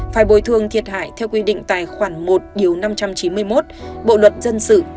phải bồi thường thiệt hại theo quy định tài khoản một năm trăm chín mươi một bộ luật dân sự